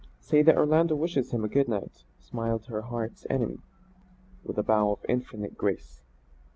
"Say that Orlando wishes him a good night," smiled her heart's enemy, with a bow of infinite grace.